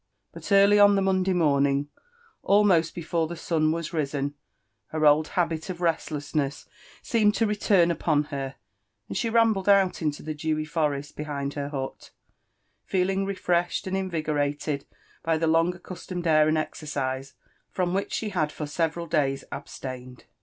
But em ly on the IMonday mommg, almost before the mm wa9 fully risen, her old habit of restlessness seemed to return upon her, andsho rambled out into the dewy forest behind hei* hut, feeling Refreshed a'nd invigorate by thi; long acci]stomed air and exerciser froifk whtch* she had for seteral days abstained.